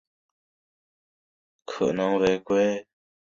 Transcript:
质疑该校的做法可能违规。